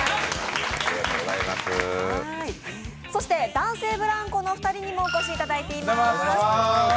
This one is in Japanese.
そして男性ブランコの２人にもお越しいただいています。